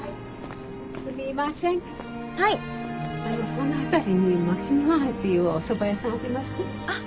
この辺りにマキノ庵っていうおそば屋さんあります？あっ。